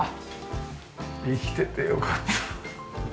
生きててよかった。